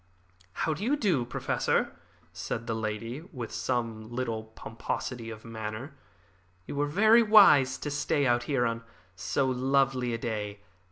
"How do you do, Professor?" said the lady, with some little pomposity of manner. "You were very wise to stay out here on so lovely a day.